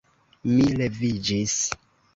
Mi leviĝis.